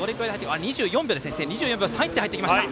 ２４秒３１で入ってきました。